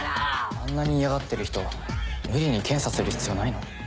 あんなに嫌がってる人無理に検査する必要ないのに。